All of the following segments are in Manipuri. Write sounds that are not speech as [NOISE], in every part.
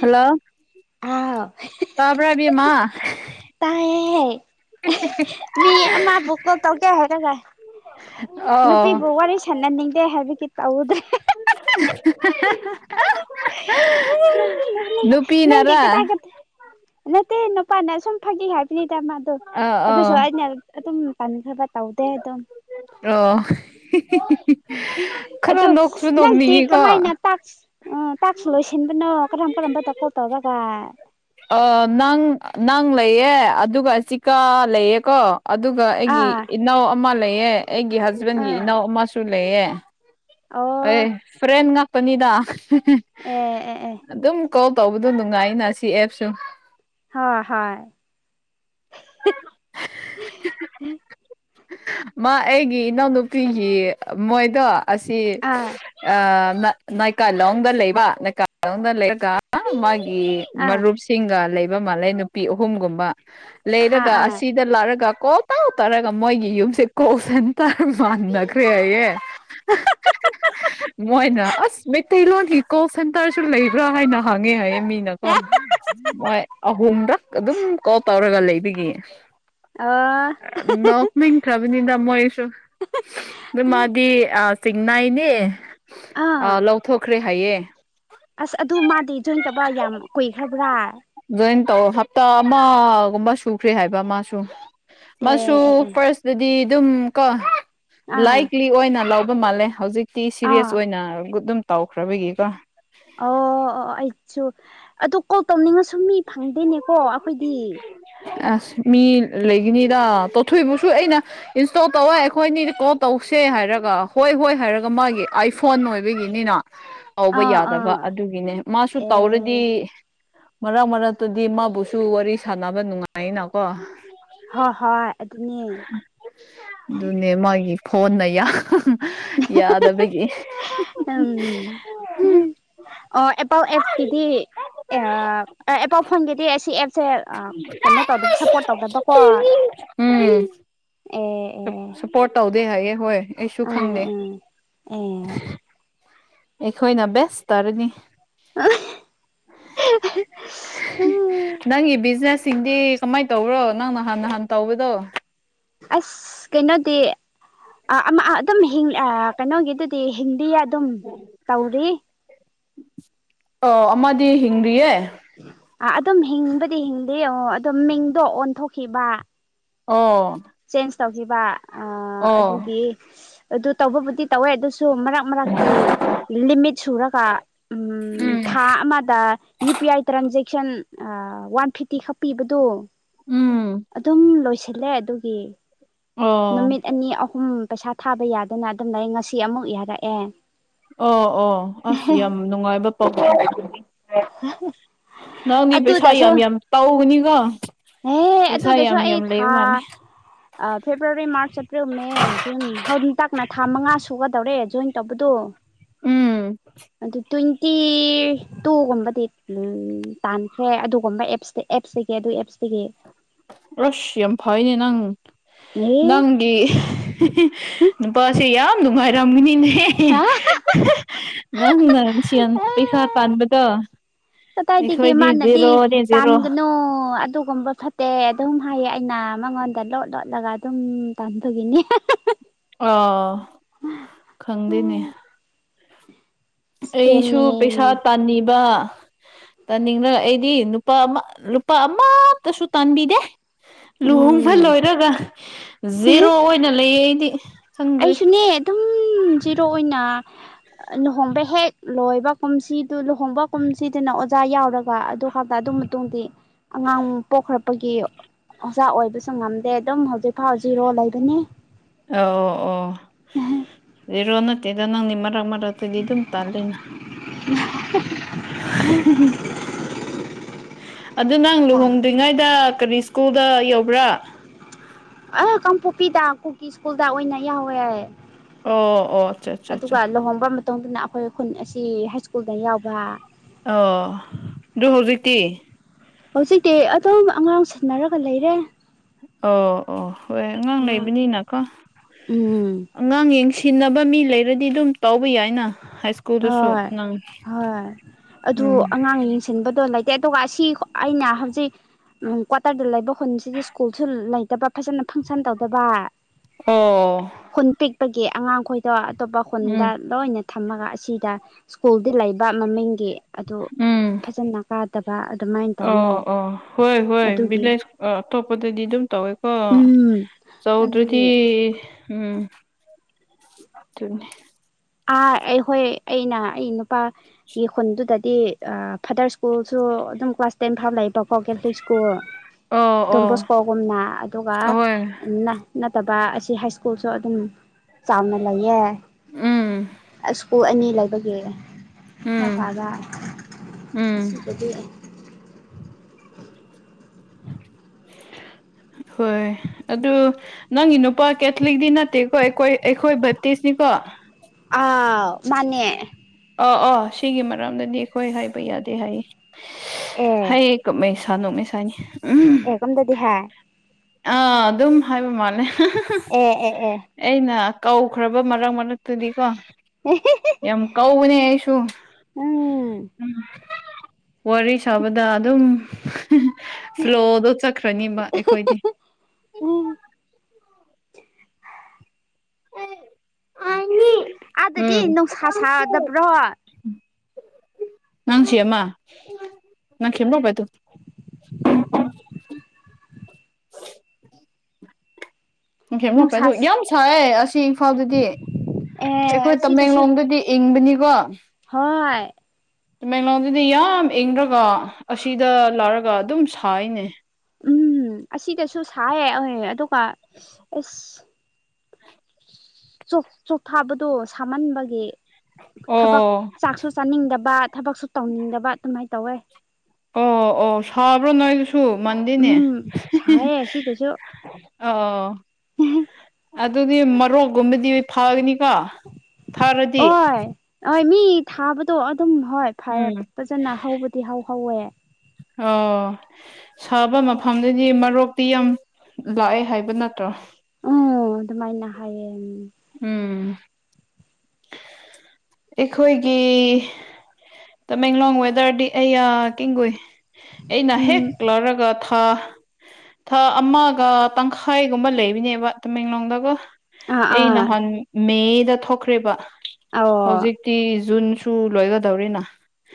ꯍꯜꯂꯣ꯫ ꯑꯥ꯫ ꯇꯥꯕ꯭ꯔꯥ ꯏꯕꯦꯃ꯫ ꯃꯤ ꯑꯃ ꯄꯨꯀꯣ ꯇꯧꯒꯦ ꯍꯥꯏꯔꯒ꯫ ꯑꯣ꯫ ꯁꯥꯅꯅꯤꯡꯇꯦ ꯍꯥꯏꯕꯤꯒꯤ ꯇꯧꯗꯦ꯫ ꯅꯣꯛꯅꯤꯡꯉꯦ ꯅꯨꯞ꯫ ꯅꯪꯗꯤ ꯀꯥꯗꯥꯏꯗ ꯅꯠꯇꯦ ꯅꯨꯄꯥꯅ ꯁꯨꯝ ꯐꯒꯦ ꯍꯥꯏ꯫ ꯄꯅꯤꯗ ꯃꯗꯣ ꯑꯣ ꯑꯗꯨꯁꯨ ꯑꯣ ꯑꯩꯅ ꯑꯗꯨꯝ ꯇꯟꯈꯕ ꯇꯧꯗꯦ ꯑꯗꯨꯝ꯫ ꯑꯣ꯫ ꯈꯔ ꯑꯗꯣ ꯅꯣꯛꯁꯨ ꯅꯪꯗꯤ ꯅꯣꯛꯅꯤꯡꯉꯤꯀꯣ ꯀꯃꯥꯏꯅ꯫ ꯇꯥꯛꯁ ꯇꯥꯛꯁ ꯂꯣꯏꯁꯤꯟꯕꯅꯣ ꯀꯔꯝ ꯀꯔꯝꯕ ꯊꯕꯛ ꯇꯧꯔꯒ꯫ ꯑ ꯅꯪ ꯅꯪ ꯂꯩꯌꯦ ꯑꯗꯨꯒ ꯆꯤꯀꯥ ꯂꯩꯌꯦ ꯀꯣ꯫ ꯑꯗꯨꯒ ꯑꯩꯒꯤ ꯑꯥ ꯏꯅꯥꯎ ꯑꯃ ꯂꯩꯑ ꯑꯩꯒꯤ ꯍꯖꯕꯦꯟꯒꯤ ꯏꯅꯥꯎ ꯑꯃꯁꯨ ꯂꯩꯌꯦ꯫ ꯑꯧ꯫ ꯑꯦ ꯐ꯭ꯔꯦꯟ ꯉꯥꯛꯇꯅꯤꯗ ꯑꯦ ꯑꯦ ꯑꯦ ꯑꯗꯨꯝ꯫ ꯀꯣꯜ ꯇꯧꯕꯗꯣ ꯅꯨꯡꯉꯥꯏꯅ ꯁꯤ ꯑꯦꯞꯁꯨ꯫ ꯍꯣꯏ ꯍꯣꯏ꯫ ꯃꯥ ꯑꯩꯒꯤ ꯏꯅꯥꯎꯅꯨꯄꯤꯒꯤ ꯃꯣꯏꯗꯣ ꯑꯁꯤ꯫ ꯑꯥ ꯅꯥꯏꯀꯥꯂꯣꯡꯗ ꯂꯩꯕ ꯅꯥꯏꯀꯥꯂꯣꯡꯗ ꯂꯩꯔꯒ ꯃꯥꯒꯤ꯫ ꯑꯥ ꯃꯔꯨꯞꯁꯤꯡꯒ ꯂꯩꯕ ꯃꯥꯜꯂꯦ ꯅꯨꯄꯤ ꯑꯍꯨꯝꯒꯨꯝꯕ ꯂꯩꯔꯒ ꯑꯥ ꯑꯥ ꯑꯁꯤ꯫ ꯁꯤꯗ ꯂꯥꯛꯔꯒ ꯀꯣꯜ ꯇꯧ ꯇꯧꯔꯒ ꯃꯣꯏꯒꯤ ꯌꯨꯝꯁꯦ ꯀꯣꯜꯁꯦꯟ ꯇꯔ ꯃꯥꯟꯅꯈ꯭ꯔꯦ ꯑꯩꯌꯦ꯫ ꯃꯣꯏꯅ꯫ ꯑꯁ ꯃꯩꯇꯩꯂꯣꯟꯒꯤ ꯀꯣꯜ ꯁꯦꯟꯇꯔꯁꯨ ꯂꯩꯕ꯭ꯔꯥ ꯍꯥꯏꯅ ꯍꯪꯉꯦ ꯍꯥꯏꯌꯦ꯫ ꯃꯤꯅꯀꯣ ꯃꯣꯏ ꯑꯍꯨꯝꯔꯛ ꯑꯗꯨꯝ ꯀꯣꯜ ꯇꯧꯔꯒ ꯂꯩꯕꯒꯤ꯫ ꯑꯥ꯫ ꯅꯣꯛꯅꯤꯡ꯫ ꯁꯕꯅꯤꯗ ꯃꯣꯏꯁꯨ ꯑꯗꯣ ꯃꯥꯗꯤ ꯆꯤꯡꯅꯥꯏꯅꯦ꯫ ꯑ ꯑꯥ ꯂꯧꯊꯣꯛꯈ꯭ꯔꯦ ꯍꯥꯏꯌꯦ ꯑꯁ ꯑꯗꯨ ꯃꯥꯗꯤ ꯖꯣꯏꯟ ꯇꯧꯕ ꯌꯥꯝ ꯀꯨꯏꯈ꯭ꯔꯕ꯭ꯔꯥ ꯖꯣꯏꯟ ꯇꯧ ꯍꯞꯇꯥ ꯑꯃꯒꯨꯝꯕ ꯁꯨꯈ꯭ꯔꯦ ꯍꯥꯏꯕ ꯃꯥꯁꯨ ꯃꯁꯨ ꯑꯦ ꯑꯦ ꯑꯦ ꯐꯥꯔꯁꯇꯗꯤ ꯑꯗꯨꯝ ꯀꯣ ꯑꯥ ꯂꯥꯏꯠꯂꯤ ꯑꯣꯏꯅ ꯂꯧꯕ ꯃꯥꯜꯂꯦ ꯍꯧꯖꯤꯛꯇꯤ ꯁꯤꯔꯤꯌꯦꯁ ꯑꯥ ꯑꯣꯏꯅ ꯑꯗꯨꯝ ꯇꯧꯈ꯭ꯔꯕꯒꯤꯀꯣ ꯑꯣ ꯑꯣꯑꯣ ꯑꯩꯁꯨ ꯑꯗꯨ ꯀꯣꯜ ꯇꯧꯅꯤꯡꯉꯁꯨ ꯃꯤ ꯐꯪꯗꯦꯅꯦꯀꯣ ꯑꯩꯈꯣꯏꯗꯤ ꯑꯁ ꯃꯤ ꯂꯩꯒꯅꯤꯗ ꯇꯣꯊꯣꯏꯕꯨꯁꯨ ꯑꯩꯅ ꯏꯟꯁꯇꯣꯜ ꯇꯧꯋꯦ ꯑꯩꯈꯣꯏꯅꯤꯗꯤ ꯀꯣꯜ ꯇꯧꯁꯦ ꯍꯥꯏꯔꯒ ꯍꯣꯏ ꯍꯣꯏ ꯍꯥꯏꯔꯒ ꯃꯥꯒꯤ ꯑꯥꯏꯐꯣꯟ ꯑꯣꯏꯕꯒꯤꯅꯤꯅ ꯇꯧꯕ ꯑꯥ ꯌꯥꯗꯕ ꯑꯥ ꯑꯗꯨꯒꯤꯅꯦ ꯃꯥꯁꯨ ꯑꯦ ꯇꯧꯔꯗꯤ ꯃꯔꯛ ꯃꯔꯛꯇꯗꯤ ꯃꯥꯕꯨꯁꯨ ꯋꯥꯔꯤ ꯁꯥꯟꯅꯕ ꯅꯨꯡꯉꯥꯏꯅ ꯀꯣ ꯍꯣ ꯍꯣꯏ ꯑꯗꯨꯅꯦ ꯗꯨꯅꯦ ꯃꯥꯒꯤ ꯐꯣꯟꯅ ꯌꯥꯝ ꯌꯥꯗꯕꯒꯤ ꯎꯝ ꯑꯣ ꯑꯦꯄꯥꯟ ꯑꯦꯞꯁ ꯀꯤꯗꯤ ꯑꯦꯑ ꯑꯦꯄꯟ ꯐꯣꯟꯒꯤꯗꯤ ꯑꯁꯤ ꯑꯦꯞꯁꯦ ꯑꯥ ꯀꯩꯅꯣ ꯇꯧꯗꯕ ꯁꯞꯄꯣꯔꯠ ꯇꯧꯗꯕꯀꯣ ꯎꯝ ꯑꯦ ꯁꯞꯄꯣꯔꯠ ꯇꯧꯗꯦ ꯍꯥꯏꯌꯦ ꯍꯣꯏ ꯑꯩꯁꯨ ꯑꯥ ꯈꯪꯗꯦ ꯑꯥ ꯑꯦ ꯑꯦꯈꯣꯏꯅ ꯕꯦꯁ ꯇꯥꯔꯅꯤ ꯅꯪꯒꯤ ꯕꯤꯖꯤꯅꯦꯁ ꯇꯤꯡꯗꯤ ꯀꯃꯥꯏ ꯇꯧꯕꯔꯣ ꯅꯪ ꯅꯍꯥꯟ ꯅꯍꯥꯟ ꯇꯧꯕꯗꯣ ꯑꯁ ꯀꯩꯅꯣꯗꯤ ꯑꯃ ꯑꯗꯨꯝ ꯍꯤꯡ ꯑꯥ ꯀꯩꯅꯣꯒꯤꯗꯨꯗꯤ ꯍꯤꯟꯗꯤ ꯌꯥ ꯗꯨꯝ ꯇꯧꯔꯤ ꯑꯣ ꯑꯃꯗꯤ ꯍꯤꯡꯔꯤꯌꯦ ꯑ ꯑꯗꯨꯝ ꯍꯤꯡꯕꯗꯤ ꯍꯤꯡꯗꯦ ꯑꯣ ꯑꯗꯨꯝ ꯃꯤꯡꯗꯣ ꯑꯣꯟꯊꯣꯛꯈꯤꯕ ꯑꯣ ꯆꯦꯟꯖ ꯇꯧꯈꯤꯕ ꯑꯥ ꯑꯣ ꯑꯗꯨꯒꯤ ꯑꯗꯨ ꯇꯧꯕꯕꯨꯗꯤ ꯇꯧꯋꯦ ꯑꯗꯨꯁꯨ ꯃꯔꯛ ꯃꯔꯛꯇꯤ ꯂꯤꯃꯤꯠ ꯁꯨꯔꯒ ꯎꯝ ꯊꯥ ꯑꯃꯗ ꯌꯨ ꯄꯤ ꯑꯥꯏ ꯇ꯭ꯔꯟꯖꯦꯛꯁꯟ ꯑꯥ ꯋꯥꯟ ꯐꯤꯞꯇꯤ ꯈꯛ ꯄꯤꯕꯗꯣ ꯎꯝ ꯑꯗꯨꯝ ꯂꯣꯏꯁꯤꯜꯂꯦ ꯑꯗꯨꯒꯤ ꯑꯣ ꯅꯨꯃꯤꯠ ꯑꯅꯤ ꯑꯍꯨꯝ ꯄꯩꯁꯥ ꯊꯥꯕ ꯌꯥꯗꯅ ꯑꯗꯨꯝ ꯂꯩ ꯉꯁꯤ ꯑꯃꯨꯛ ꯌꯥꯔꯛꯑꯦ ꯑꯣ ꯑꯣ ꯑꯁ ꯌꯥꯝ ꯅꯨꯡꯉꯥꯏꯕ ꯄꯥꯎ [UNINTELLIGIBLE] [UNINTELLIGIBLE] ꯅꯪꯗꯤ ꯄꯩꯁꯥ ꯌꯥꯝ ꯌꯥꯝ ꯇꯧꯒꯅꯤꯒꯣ ꯍꯦ ꯑꯗꯨꯗꯁꯨ ꯑꯩ ꯊꯥ ꯑꯥ February March April May June ꯍꯟꯇꯥꯛꯅ ꯊꯥ ꯃꯉꯥ ꯁꯨꯒꯗꯧꯔꯦ ꯖꯣꯏꯟ ꯇꯧꯕꯗꯨꯣ ꯎꯝ ꯑꯗꯨ ꯇ꯭ꯋꯦꯟꯇꯤ ꯗꯤ ꯑꯝ ꯇꯥꯟꯈ꯭ꯔꯦ ꯑꯗꯨꯒꯨꯝꯕ ꯑꯦꯞꯁꯇ ꯑꯦꯞꯁꯇꯒꯤ ꯑꯗꯨ ꯑꯦꯞꯁꯇꯒꯤ ꯑꯁ ꯌꯝ ꯐꯥꯏꯅꯦ ꯅꯪ ꯑꯦ ꯅꯪ ꯒꯤ ꯅꯨꯄꯥꯁꯦ ꯌꯥꯝ ꯅꯨꯡꯉꯥꯏꯔꯝꯒꯅꯤꯅꯦ ꯍꯥ ꯅꯪꯅ ꯁꯦꯟ ꯄꯩꯁꯥ ꯇꯥꯟꯕꯗꯣ ꯀꯗꯥꯏꯇꯒꯤ ꯑꯩꯈꯣꯏꯗꯤ ꯃꯥꯅꯗꯤ ꯖꯦꯔꯣꯅꯦ ꯖꯦꯔꯣ ꯇꯥꯟꯒꯅꯣ ꯑꯗꯨꯒꯨꯝꯕ ꯐꯠ ꯇꯦ ꯑꯗꯨꯝ ꯍꯥꯏꯌꯦ ꯑꯩꯅ ꯃꯉꯣꯟꯗ ꯂꯣꯠ ꯂꯣꯠꯂꯒ ꯑꯗꯨꯝ ꯇꯝꯗꯨꯒꯤꯅꯦ ꯑꯥ ꯈꯪꯗꯦꯅꯦ ꯑꯩꯁꯨ ꯄꯩꯁꯥ ꯏꯁꯀꯦꯝꯅꯦꯅ ꯇꯥꯟꯅꯤꯕ ꯇꯥꯅꯤꯡꯅ ꯑꯩꯗꯤ ꯅꯨꯄꯥ ꯑꯃ ꯂꯨꯄꯥ ꯑꯃꯠꯇꯁꯨ ꯇꯥꯟꯕꯤꯗꯦ ꯂꯨꯍꯣꯡꯕ ꯎꯝ ꯂꯣꯏꯔꯒ ꯖꯦꯔꯣ ꯑꯣꯏꯅ ꯂꯩꯌꯦ ꯑꯩꯗꯤ ꯈꯪꯗ꯭ꯔꯤ ꯑꯩꯁꯨꯅꯦ ꯑꯗꯨꯝ ꯖꯔꯣ ꯑꯣꯏꯅ ꯂꯨꯍꯣꯡꯕ ꯍꯦꯛ ꯂꯣꯏꯕ ꯀꯨꯝꯁꯤꯗꯨ ꯂꯨꯍꯣꯡꯕ ꯀꯨꯝꯁꯤꯗꯨꯅ ꯑꯣꯖꯥ ꯌꯥꯎꯔꯒ ꯑꯗꯨ ꯑꯗꯨ ꯃꯇꯨꯡꯗꯤ ꯑꯉꯥꯡ ꯄꯣꯛꯈ꯭ꯔ ꯑꯣꯏꯒꯤ ꯑꯣꯖꯥ ꯑꯣꯏꯕꯁꯨ ꯉꯝꯗꯦ ꯑꯗꯨꯝ ꯍꯧꯖꯤꯛꯐꯥꯎ ꯖꯤꯔꯣ ꯂꯩꯕꯅꯤ ꯑꯣ ꯑꯣ ꯑꯣ ꯖꯤꯔꯣ ꯅꯠꯇꯦꯗ ꯅꯪꯗꯤ‌ ꯃꯔꯛ ꯃꯔꯛ ꯗꯤ ꯑꯗꯨꯝ ꯇꯥꯂꯦꯅ ꯑꯗꯨ ꯅꯪ ꯂꯨꯍꯣꯡꯗ꯭ꯔꯤꯉꯩꯗ ꯀꯔꯤ ꯁ꯭ꯀꯨꯜꯗ ꯌꯧꯕ꯭ꯔꯥ ꯑ ꯀꯥꯡꯄꯣꯛꯄꯤꯗ ꯀꯨꯀꯤ ꯁ꯭ꯀꯨꯜꯗ ꯑꯣꯏꯅ ꯌꯥꯎꯋꯦ ꯑꯣ ꯑꯣ ꯑꯠꯆꯥ ꯑꯠꯆꯥ ꯑꯗꯨꯒ ꯑꯠꯆꯥ ꯂꯨꯍꯣꯡꯝꯕ ꯇꯣꯝꯗꯨꯅ ꯑꯩꯈꯣꯏ ꯈꯨꯟ ꯑꯁꯤ ꯍꯥꯏ ꯁ꯭ꯀꯨꯜꯗ ꯌꯥꯎꯕ ꯑꯣ ꯑꯗꯨꯣ ꯍꯧꯖꯤꯛꯇꯤ ꯍꯧꯖꯤꯛꯇꯤ ꯑꯗꯨꯝ ꯑꯉꯥꯡ ꯁꯦꯟꯅꯔꯒ ꯂꯩꯔꯦ ꯑꯣ ꯑꯣ ꯍꯣꯏ ꯑꯉꯥꯡ ꯂꯩꯕꯅꯤꯅꯀꯣ ꯎꯝ ꯑꯉꯥꯡ ꯌꯦꯡꯁꯤꯟꯅꯕ ꯃꯤ ꯂꯩꯔꯗꯤ ꯑꯗꯨꯝ ꯇꯥꯎꯕ ꯌꯥꯏꯅ ꯍꯥꯏ ꯁ꯭ꯀꯨꯜꯗꯁꯨ ꯍꯣꯏ ꯅꯪ ꯍꯣꯏ ꯑꯗꯨ ꯎꯝ ꯑꯉꯥꯡ ꯌꯦꯡꯁꯤꯟꯕꯗꯣ ꯂꯩꯇꯦ ꯑꯗꯨꯒ ꯑꯁꯤ ꯑꯩꯅ ꯍꯧꯖꯤꯛ ꯀ꯭ꯋꯥꯇꯔꯗ ꯂꯩꯕ ꯈꯨꯟꯁꯤꯗꯤ ꯁ꯭ꯀꯨꯜꯁꯨ ꯂꯩꯇꯕ ꯐꯖꯅ ꯐꯪꯁꯟ ꯇꯧꯗꯕ ꯑꯣ ꯈꯨꯟ ꯄꯤꯛꯄꯒꯤ ꯑꯉꯥꯡꯈꯣꯏ ꯗꯣ ꯑꯇꯣꯞꯄ ꯈꯨꯟꯗ ꯎꯝ ꯂꯣꯏꯅ ꯊꯝꯃꯒ ꯑꯁꯤꯗ ꯁ꯭ꯀꯨꯜꯗꯤ ꯂꯩꯕ ꯃꯃꯤꯡꯒꯤ ꯑꯗꯨ ꯎꯝ ꯐꯖꯅ ꯀꯥꯗꯕ ꯑꯗꯨꯃꯥꯏꯅ ꯇꯧꯋꯦ ꯑꯗꯨꯒꯤ ꯑ ꯑꯇꯣꯞꯄꯗꯗꯤ ꯑꯗꯨꯝ ꯇꯧꯋꯦꯀꯣ ꯎꯝ ꯆꯧꯗ꯭ꯔꯗꯤ ꯑꯗꯨꯒꯤ ꯎꯝ ꯑꯗꯨꯅꯤ ꯑꯥ ꯑꯩꯈꯣꯏ ꯑꯩꯅ ꯑꯩ ꯅꯨꯄꯥꯒꯤ ꯈꯨꯟꯗꯨꯗ ꯗꯤ ꯑ ꯐꯥꯗꯔ ꯁ꯭ꯀꯨꯜꯁꯨ ꯑꯗꯨꯝ ꯀ꯭ꯂꯥꯁ ꯇꯦꯟ ꯐꯥꯎꯕ ꯂꯩꯕꯀꯣ ꯀꯦꯊꯂꯤꯛ ꯁ꯭ꯀꯨꯜ ꯑꯣ ꯑꯣ ꯗꯣꯝꯕꯣꯁꯀꯣꯒꯨꯝꯅ ꯑꯗꯨꯒ ꯑꯍꯣꯏ ꯅ ꯅꯠꯇꯕ ꯑꯁꯤ ꯍꯥꯏ ꯁ꯭ꯀꯨꯜꯁꯨ ꯑꯗꯨꯝ ꯆꯥꯎꯅ ꯂꯩꯌꯦ ꯎꯝ ꯑꯁꯀꯨꯜ ꯑꯅꯤ ꯂꯩꯕꯒꯤ ꯎꯝ ꯔꯦꯀꯗ ꯎꯝ ꯑꯁꯤꯗꯗꯤ [INAUDIBLE] ꯍꯣꯏ ꯑꯗꯨ ꯅꯪꯒꯤ ꯅꯨꯄꯥ ꯀꯦꯊꯂꯤꯛꯇꯤ ꯅꯠꯇꯦꯀꯣ ꯑꯩꯈꯣꯏ ꯑꯩꯈꯣꯏ ꯕꯇꯤꯁꯅꯤꯀꯣ ꯑ ꯃꯥꯅꯦ ꯑ ꯑꯣ ꯁꯤꯒꯤ ꯃꯔꯝꯗꯗꯤ ꯑꯩꯈꯣꯏ ꯍꯥꯏꯕ ꯌꯥꯗꯦ ꯍꯥꯏꯌꯦ ꯑꯦ ꯍꯩ ꯀꯞꯃꯩ ꯁꯥꯥ ꯅꯣꯛꯅꯩ ꯁꯥꯥꯅꯤ ꯎꯝ ꯑꯦ ꯀꯣꯝꯗꯗꯤ ꯍꯥꯏ ꯑꯥ ꯑꯗꯨꯝ ꯍꯥꯏꯕ ꯃꯥꯜꯂꯦ ꯑꯦ ꯑꯦ ꯑꯦ ꯑꯩꯅ ꯀꯧꯈ꯭ꯔꯕ ꯃꯔꯛ ꯃꯔꯛꯇꯗꯤ ꯀꯣ [UNINTELLIGIBLE] ꯌꯥꯝ ꯀꯧꯕꯅꯦ ꯑꯩꯁꯨ ꯎꯝ ꯋꯥꯔꯤ ꯁꯥꯕꯗ ꯑꯗꯨꯝ ꯐ꯭ꯂꯣꯗꯣ ꯆꯠꯈ꯭ꯔꯅꯤꯕ ꯑꯩꯈꯣꯏꯗꯤ ꯎꯝ ꯑꯥꯏ ꯃꯤ ꯑꯥꯗꯗꯤ ꯎꯝ‌ ꯅꯨꯡꯁꯥ ꯁꯥꯗꯕ꯭ꯔꯣ ꯅꯪꯁꯤ ꯑꯃ [UNINTELLIGIBLE] ꯅꯨꯡꯁꯥ [UNINTELLIGIBLE] ꯌꯥꯝ ꯁꯥꯏꯌꯦ ꯑꯁꯤ ꯏꯝꯐꯥꯜꯗꯗꯤ ꯑꯦ ꯑꯩꯈꯣꯏ ꯑꯁꯤꯗꯁꯨ ꯇꯃꯦꯡꯂꯣꯡꯗꯗꯤ ꯏꯪꯕꯅꯤꯀꯣ ꯍꯣꯏ ꯇꯃꯦꯡꯂꯣꯡꯗꯗꯤ ꯌꯥꯝ ꯏꯪꯗ꯭ꯔꯒ ꯑꯁꯤꯗ ꯂꯥꯛꯔꯒ ꯑꯗꯨꯝ ꯁꯥꯏꯅꯦ ꯎꯝ ꯑꯁꯤꯗꯁꯨ ꯁꯥꯏꯌꯦ ꯑꯗꯨꯒ ꯑꯁ ꯆꯣꯛ ꯆꯣꯛꯊꯥꯕꯗꯣ ꯁꯥꯃꯟꯕꯒꯤ ꯊꯕꯛ ꯑꯣ ꯆꯥꯛꯁꯨ ꯆꯥꯅꯤꯡꯗꯕ ꯊꯕꯛꯁꯨ ꯇꯧꯅꯤꯡꯗꯕ ꯑꯗꯨꯃꯥꯏꯅ ꯇꯧꯋꯦ ꯑꯣ ꯑꯣ ꯁꯥꯕ꯭ꯔꯣ ꯅꯣꯏꯗꯨꯁꯨ ꯃꯟꯗꯦꯅꯦ ꯎꯝ ꯁꯥꯏꯌꯦ ꯁꯤꯗꯁꯨ ꯑ ꯑꯗꯨꯗꯤ ꯃꯔꯣꯛꯒꯨꯝꯕꯗꯤ ꯐꯒꯅꯤꯀꯣ ꯊꯥꯔꯗꯤ ꯑꯣꯏ ꯑꯣꯏ ꯃꯤ ꯊꯥꯕꯗꯣ ꯑꯗꯨꯝ ꯍꯣꯏ ꯐꯩꯌꯦ ꯎꯝ ꯐꯖꯅ ꯍꯧꯕꯗꯤ ꯍꯧꯍꯧꯋꯦ ꯑꯣ ꯁꯥꯕ ꯃꯐꯝꯗꯗꯤ ꯃꯔꯣꯛꯇꯤ ꯌꯥꯝ ꯂꯥꯛꯑꯦ ꯍꯥꯏꯕ ꯅꯠꯇ꯭ꯔꯣ ꯎꯝ ꯑꯗꯨꯃꯥꯏꯅ ꯍꯥꯏꯌꯦ ꯎꯝ ꯎꯝ ꯑꯩꯈꯣꯏꯒꯤ ꯇꯃꯦꯡꯂꯣꯡ ꯋꯦꯗꯔꯗꯤ ꯑꯩꯌꯥ [UNINTELLIGIBLE] ꯑꯩꯅ ꯍꯦꯛ ꯎꯝ ꯂꯧꯔꯒ ꯥꯑ ꯊꯥ ꯑꯃꯒ ꯇꯪꯈꯥꯏꯒꯨꯝꯕ ꯂꯩꯕꯅꯦꯕ ꯇꯃꯦꯡꯂꯣꯡꯗꯀꯣ ꯑꯥ ꯑꯩ ꯑꯥ ꯅꯍꯥꯟ ꯃꯦꯗ ꯊꯣꯛꯈ꯭ꯔꯦꯕ ꯑꯣ ꯍꯧꯖꯤꯛꯇꯤ ꯖꯨꯟ ꯇꯨ ꯂꯣꯏꯒꯗꯧꯔꯦꯅ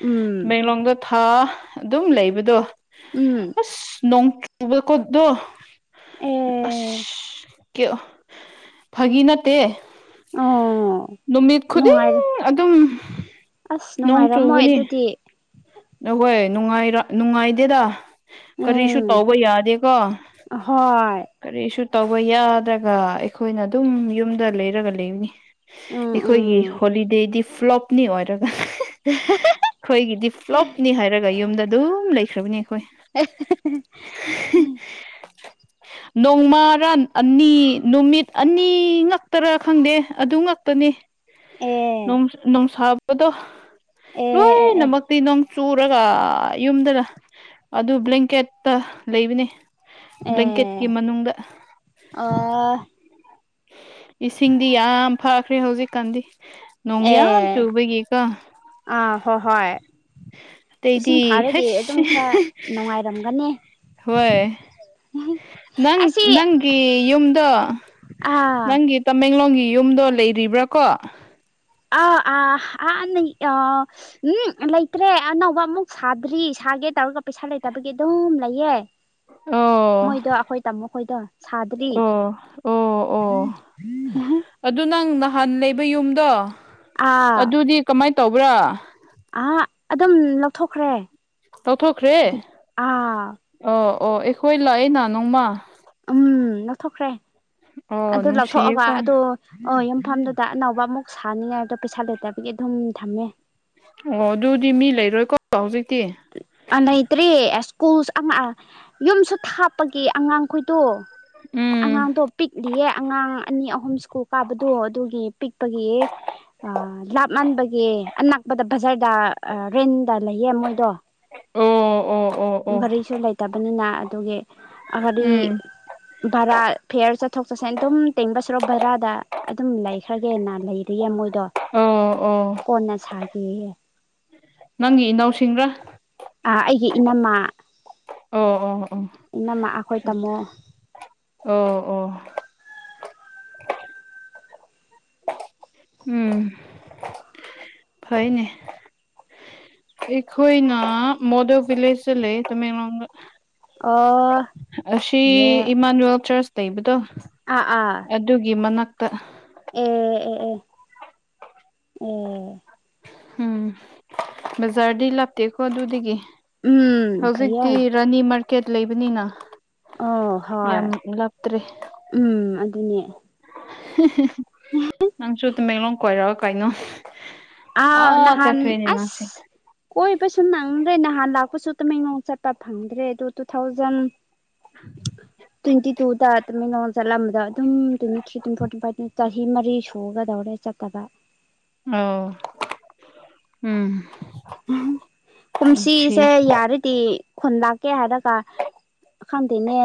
ꯎꯝ ꯇꯥꯃꯦꯟꯂꯣꯡꯗ ꯊꯥ ꯑꯗꯨꯝ ꯂꯩꯕꯗꯣ ꯎꯝ ꯑꯁ ꯅꯣꯡ ꯆꯨꯕꯒꯣ ꯗꯣ ꯑꯁ ꯑꯦ ꯀꯌꯥ ꯐꯥꯒꯤ ꯅꯠꯇꯦ ꯑꯣ ꯅꯨꯃꯤꯠ ꯈꯨꯗꯤꯡ ꯅꯨꯡꯉꯥꯏꯔꯦ ꯑꯗꯨꯝ ꯑꯁ ꯅꯨꯡꯉꯥꯏꯔꯝꯃꯣꯏ ꯑꯗꯨꯗꯤ ꯅ ꯍꯣꯏ ꯅꯨꯡꯉꯥꯏꯔ ꯅꯨꯡꯉꯥꯏꯗꯦꯗ ꯀꯔꯤꯁꯨ ꯎꯝ ꯇꯧꯕ ꯌꯥꯗꯦꯀꯣ ꯍꯣꯏ ꯀꯔꯤꯁꯨ ꯇꯧꯕ ꯌꯥꯗ꯭ꯔꯒ ꯑꯩꯈꯣꯏꯅ ꯑꯗꯨꯝ ꯌꯨꯝꯗ ꯂꯩꯔꯒ ꯂꯩꯕꯅꯤ ꯎꯝ ꯑꯩꯈꯣꯏꯒꯤ ꯎꯝ ꯍꯣꯂꯤꯗꯦꯗꯤ ꯐ꯭ꯂꯣꯞꯅꯤ ꯑꯣꯏꯔꯒ ꯑꯩꯈꯣꯏꯒꯤꯗꯤ ꯄ꯭ꯂꯣꯞꯅꯤ ꯍꯥꯏꯔꯒ ꯌꯨꯝꯗ ꯑꯗꯨꯝ ꯂꯩꯈ꯭ꯔꯕꯅꯤ ꯑꯩꯈꯣꯏ ꯎꯝ [UNINTELLIGIBLE] [INAUDIBLE] ꯅꯣꯡꯃꯔꯥ ꯑꯅꯤ ꯅꯨꯃꯤꯠ ꯑꯅꯤ ꯉꯛꯇꯔꯥ ꯈꯪꯗꯦ ꯑꯗꯨ ꯉꯛꯇꯅꯦ ꯑꯦ ꯅꯣꯡ ꯅꯣꯡ ꯁꯥꯕꯗꯣ ꯑꯦ ꯑꯦ ꯑꯦ ꯅꯨꯡ ꯆꯨꯔꯒ ꯌꯨꯝꯗꯅ ꯑꯗꯨ ꯕ꯭ꯂꯦꯡꯀꯦꯠꯇ ꯂꯩꯕꯅꯦ ꯑꯦ ꯕ꯭ꯂꯦꯡꯀꯦꯠꯀꯤ ꯃꯅꯨꯡꯗ ꯑꯥ ꯏꯁꯤꯡꯗꯤ ꯌꯥꯝ ꯐꯈ꯭ꯔꯦ ꯍꯧꯖꯤꯛꯀꯥꯟꯗꯤ ꯅꯣꯡ ꯌꯥꯝ ꯑꯦ ꯆꯨꯕꯒꯤꯀꯣ ꯑꯥ ꯍꯣꯏ ꯍꯣꯏ ꯏꯁꯤꯡ ꯑꯇꯩꯗꯤ ꯐꯥꯔꯗꯤ ꯑꯗꯨꯝ ꯍꯩꯁ ꯈꯔ ꯅꯨꯡꯉꯥꯏ ꯑꯣꯏꯔꯝꯒꯅꯤ ꯍꯣꯏ ꯅꯪ ꯑꯁꯤ ꯅꯪꯒꯤ ꯌꯨꯝꯗꯣ ꯑꯥ ꯅꯪꯒꯤ ꯇꯃꯦꯡꯂꯣꯡꯒꯤ ꯌꯨꯝꯗꯣ ꯂꯩꯔꯤꯕ꯭ꯔꯥꯀꯣ [UNINTELLIGIBLE] ꯎꯝ ꯂꯩꯇ꯭ꯔꯦ ꯑꯅꯧꯕ ꯑꯃꯨꯛ ꯁꯥꯗ꯭ꯔꯤ ꯁꯥꯒꯦ ꯇꯧꯔꯒ ꯄꯩꯁꯥ ꯂꯩꯇꯕꯒꯤ ꯑꯗꯨꯝ ꯂꯩꯌꯦ ꯑꯣ ꯃꯣꯏꯗꯣ ꯑꯩꯈꯣꯏ ꯇꯥꯃꯣ ꯈꯣꯏꯗꯣ ꯁꯥꯗ꯭ꯔꯤ ꯑꯣ ꯑꯣ ꯑꯣ ꯑꯣ ꯑꯗꯨ ꯅꯪ ꯅꯥꯍꯟ ꯂꯩꯕ ꯌꯨꯝꯗꯣ ꯑꯥ ꯑꯗꯨꯗꯤ ꯀꯃꯥꯏꯟ ꯇꯧꯕ꯭ꯔꯥ ꯑꯥ ꯑꯗꯨꯝ ꯂꯧꯊꯣꯛꯈ꯭ꯔꯦ ꯇꯧꯊꯣꯛꯈ꯭ꯔꯦ ꯑꯥ ꯑꯣ ꯑꯣ ꯑꯩꯈꯣꯏ ꯂꯥꯛꯏꯅ ꯅꯣꯡꯃꯥ ꯑꯝ ꯂꯧꯊꯣꯛꯈ꯭ꯔꯦ ꯑꯣ ꯑꯗꯨ ꯂꯧꯊꯣꯛꯑꯒ ꯅꯨꯡꯁꯤꯌꯦꯀꯣ ꯑꯗꯣ ꯑꯣ ꯌꯨꯝꯐꯝꯗꯨꯗ ꯑꯅꯧꯕ ꯑꯃꯨꯛ ꯁꯥꯅꯤꯉꯥꯏꯗꯣ ꯄꯩꯁꯥ ꯂꯩꯇꯕꯒꯤ ꯑꯗꯨꯝ ꯊꯝꯃꯦ ꯑꯣ ꯑꯗꯨꯗꯤ ꯃꯤ ꯂꯩꯔꯣꯏꯀꯣ ꯍꯧꯖꯤꯛꯇꯤ ꯂꯩꯇ꯭ꯔꯦ ꯁ꯭ꯀꯨꯜ ꯌꯨꯝꯁꯨ ꯊꯥꯞꯄꯒꯤ ꯑꯉꯥꯡꯈꯣꯏꯗꯣ ꯑꯝ ꯑꯉꯥꯡꯗꯣ ꯄꯤꯛꯂꯤꯌꯦ ꯑꯉꯥꯡ ꯑꯅꯤ ꯑꯍꯨꯝ ꯁ꯭ꯀꯨꯜ ꯀꯥꯕꯗꯣ ꯑꯗꯨꯒꯤ ꯄꯤꯛꯄꯒꯤ ꯑꯥ ꯂꯥꯞꯃꯟꯕꯒꯤ ꯑꯅꯛꯄꯗ ꯕꯖ꯭ꯥꯔꯗ ꯑꯥ ꯔꯦꯟꯗ ꯂꯩꯌꯦ ꯃꯣꯏꯗꯣ ꯑꯣ ꯑꯣ ꯑꯣ ꯒꯥꯔꯤꯁꯨ ꯂꯩꯇꯕꯅꯤꯅ ꯑꯗꯨꯒꯤ ꯒꯥꯔꯤ ꯎꯝ ꯚꯥꯔꯥ ꯐ꯭ꯔꯤꯌꯔ ꯆꯠꯊꯣꯛ ꯆꯠꯁꯤꯟ ꯑꯗꯨꯝ ꯇꯤꯡꯕ ꯁꯔꯨꯛ ꯚꯥꯔꯥꯗ ꯑꯗꯨꯝ ꯂꯩꯈ꯭ꯔꯒꯦꯅ ꯂꯩꯔꯤꯌꯦ ꯃꯣꯏꯗꯣ ꯑꯣ ꯑꯣ ꯀꯣꯟꯅ ꯁꯥꯒꯦꯌꯦ ꯅꯪꯒꯤ ꯏꯅꯥꯎꯁꯤꯡꯔ ꯑꯥ ꯑꯩꯒꯤ ꯏꯅꯝꯃꯥ ꯑꯣ ꯑꯣ ꯑꯣ ꯏꯅꯝꯃꯥ ꯑꯩꯈꯣꯏ ꯇꯥꯝꯃꯣ ꯑꯣ ꯑꯣ ꯑꯝ ꯐꯩꯅꯦ ꯑꯩꯈꯣꯏꯅ ꯃꯣꯗꯣ ꯚꯤꯂꯦꯖꯁꯇ ꯂꯩ ꯇꯥꯃꯦꯡꯂꯣꯡꯗ ꯑꯣ ꯑꯁꯤ ꯐꯩꯌꯦ ꯏꯃꯥꯅꯨꯏꯜ ꯆ꯭ꯔꯁ ꯂꯩꯕꯗꯣ ꯑꯥ ꯑꯥ ꯑꯗꯨꯒꯤ ꯃꯅꯥꯛꯇ ꯑꯦ ꯑꯦ ꯑꯦ ꯑꯣ ꯑꯝ ꯕꯖꯥ꯭ꯔꯗꯤ ꯂꯥꯞꯇꯦꯀꯣ ꯑꯗꯨꯗꯒꯤ ꯎꯝ ꯐꯩꯌꯦ ꯍꯧꯖꯤꯛꯇꯤ ꯔꯥꯅꯤ ꯃꯥꯔꯀꯦꯠ ꯂꯩꯕꯅꯤꯅ ꯌꯥꯝ ꯂꯥꯞꯇ꯭ꯔꯦ ꯑꯝ ꯑꯗꯨꯅꯦ ꯍꯤ ꯍꯤ ꯅꯪꯁꯨ ꯇꯥꯃꯦꯡꯂꯣꯡ ꯀꯣꯏꯔꯛꯎ ꯀꯩꯅꯣ ꯑꯥ ꯅꯥꯍꯟ ꯆꯠꯈ꯭ꯔꯦꯅꯦ ꯑꯁ ꯅꯪꯁꯦ ꯀꯣꯏꯕꯁꯨ ꯅꯪꯗ꯭ꯔꯦ ꯅꯥꯍꯟ ꯂꯥꯛꯄꯁꯨ ꯇꯥꯃꯦꯡꯂꯣꯡ ꯆꯠꯄ ꯐꯪꯗ꯭ꯔꯦ ꯑꯗꯨ ꯇꯨꯊꯥꯎꯖꯟ ꯇ꯭ꯋꯦꯟꯇꯤꯇꯨꯗ ꯇꯥꯃꯦꯡꯂꯣꯡ ꯆꯠꯂꯝꯕ ꯑꯗꯨꯝ ꯇ꯭ꯋꯦꯟꯇꯤꯊ꯭ꯔꯤ ꯇꯋ꯭ꯦꯟꯇꯤꯐꯣꯔ ꯇꯋ꯭ꯦꯟꯇꯤꯐꯥꯏꯚ ꯆꯍꯤ ꯃꯔꯤ ꯁꯨꯒꯗꯧꯔꯦ ꯆꯠꯇꯕ ꯑꯣ ꯑꯝ ꯀꯨꯝꯁꯤꯁꯦ ꯌꯥꯔꯤꯠ ꯇꯤ ꯈꯨꯟ ꯂꯥꯛꯀꯦ ꯍꯥꯏꯔꯒ ꯈꯪꯗꯦꯅꯦ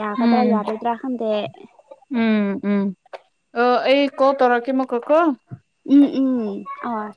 ꯌꯥꯒꯗ꯭ꯔꯥ ꯌꯥꯗꯣꯏꯗ꯭ꯔꯥ ꯈꯪꯗꯦ ꯑꯝ ꯑꯝ ꯑꯥ ꯑꯩ ꯀꯣꯜ ꯇꯧꯔꯛꯀꯦ ꯑꯃꯨꯛꯀ ꯀꯣ ꯑꯝ ꯑꯝ ꯍꯣꯏ